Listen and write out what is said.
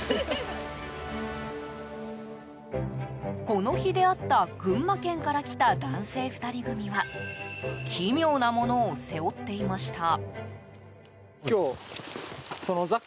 この日出会った群馬県から来た男性２人組は奇妙なものを背負っていました。